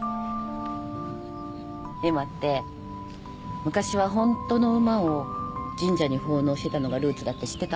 絵馬って昔はホントの馬を神社に奉納してたのがルーツだって知ってた？